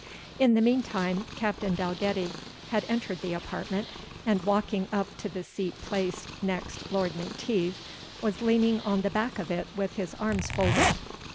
In the meantime, Captain Dalgetty had entered the apartment, and walking up to the seat placed next Lord Menteith, was leaning on the back of it with his arms folded.